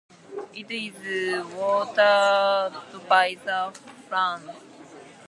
It is watered by the Furans.